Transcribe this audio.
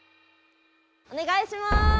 おねがいします！